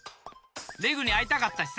レグにあいたかったしさ。